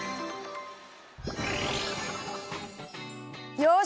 よし！